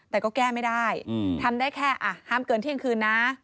แต่ก็แก้ไม่ได้ทำได้แค่ห้ามเกินเที่ยงคืนนะ